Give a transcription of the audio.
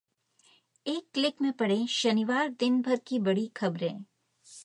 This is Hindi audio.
एक क्लिक में पढ़ें शनिवार दिन भर की बड़ी खबरें